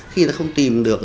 khi nó không tìm được